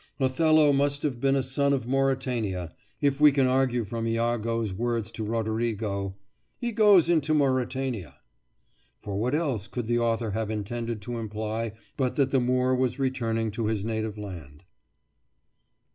Othello must have been a son of Mauritania, if we can argue from Iago's words to Roderigo: "He goes into Mauritania"; for what else could the author have intended to imply but that the Moor was returning to his native land?